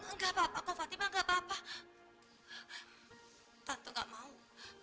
ini ini ini terima terima ya nggak usah nggak usah nggak apa apa